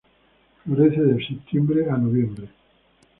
Florece de septiembre a noviembre.